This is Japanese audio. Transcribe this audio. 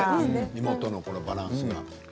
芋のバランスが。